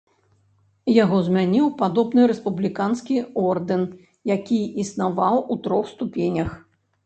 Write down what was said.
Яго змяніў падобны рэспубліканскі ордэн, які існаваў у трох ступенях.